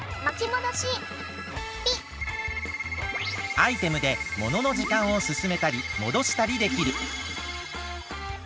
アイテムでもののじかんをすすめたりもどしたりできる。